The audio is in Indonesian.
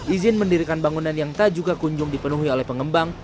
izin mendirikan bangunan yang tak juga kunjung dipenuhi oleh pengembang